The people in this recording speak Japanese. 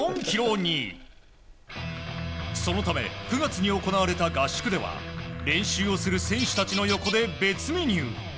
そのため、９月に行われた合宿では練習をする選手たちの横で別メニュー。